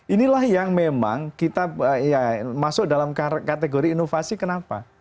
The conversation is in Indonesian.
ini lah yang memang kita ya masuk dalam kategori inovasi kenapa